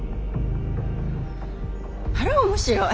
あら面白い。